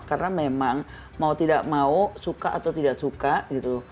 karena memang mau tidak mau suka atau tidak suka gitu